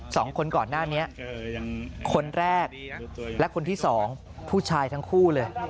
ก่อนหน้านี้คนแรกและคนที่สองผู้ชายทั้งคู่เลย